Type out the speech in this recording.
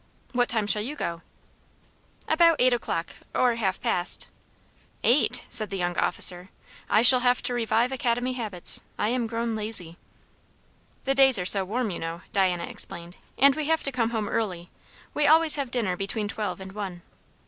"What time shall you go?" "About eight o'clock or half past." "Eight!" said the young officer. "I shall have to revive Academy habits. I am grown lazy." "The days are so warm, you know," Diana explained; "and we have to come home early. We always have dinner between twelve and one."